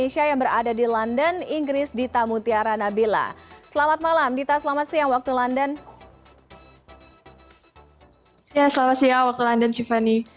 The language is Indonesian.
selamat siang waktu london sivani